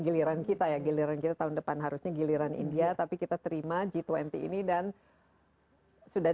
giliran kita ya giliran kita tahun depan harusnya giliran india tapi kita terima g dua puluh ini dan sudah